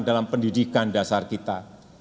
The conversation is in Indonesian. dalam pendidikan dasar kita